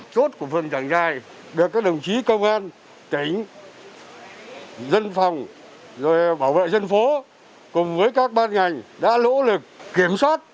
chốt của phương đồng nai được các đồng chí công an tỉnh dân phòng bảo vệ dân phố cùng với các ban ngành đã lỗ lực kiểm soát